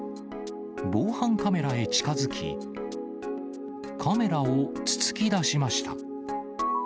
防犯カメラへ近づき、カメラをつつきだしました。